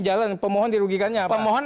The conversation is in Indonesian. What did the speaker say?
jalan pemohon dirugikannya pemohon